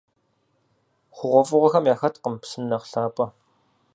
ХъугъуэфӀыгъуэхэм яхэткъым псым нэхъ лъапӀэ.